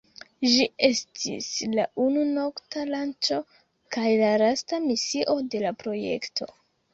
Ĝi estis la unu nokta lanĉo kaj la lasta misio de la projekto.